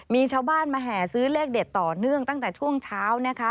มีชาวบ้านมาแห่ซื้อเลขเด็ดต่อเนื่องตั้งแต่ช่วงเช้านะคะ